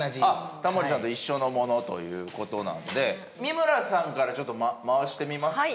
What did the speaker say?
タモリさんと一緒のものという事なので美村さんからちょっと回してみますか？